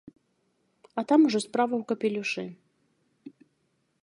А там ужо справа ў капелюшы.